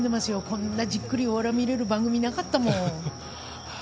こんなじっくりおわら見れる番組なかったもん。